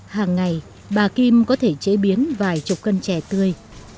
hàng ngày bà kim có thể chế biến vài chục cân chè tươi